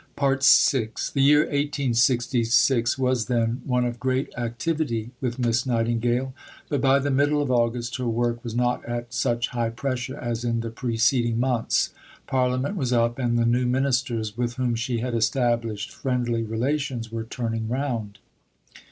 VI The year 1866 was, then, one of great activity with Miss Nightingale; but by the middle of August her work was not at such high pressure as in the preceding months. Parliament was up, and the new Ministers, with whom she had established friendly relations, were turning round.